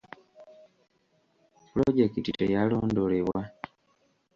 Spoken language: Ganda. Pulojekiti teyalondoolebwa.